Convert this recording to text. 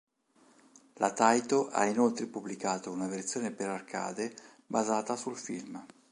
La Taito ha inoltre pubblicato una versione per arcade basata sul film.